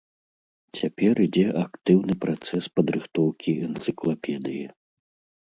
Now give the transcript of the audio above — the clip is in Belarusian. Цяпер ідзе актыўны працэс падрыхтоўкі энцыклапедыі.